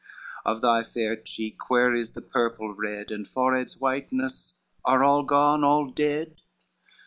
Of thy fair cheek where is the purple red, And forehead's whiteness? are all gone, all dead?